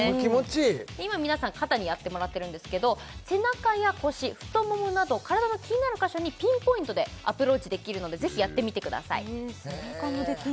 今皆さん肩にやってもらってるんですけど背中や腰太ももなど体の気になる箇所にピンポイントでアプローチできるのでぜひやってみてください背中もできるの？